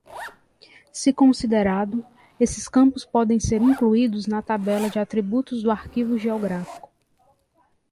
Se considerado, esses campos podem ser incluídos na tabela de atributos do arquivo geográfico.